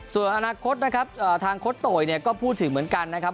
ส่วนอนาคตนะครับทางโค้ดโตยเนี่ยก็พูดถึงเหมือนกันนะครับ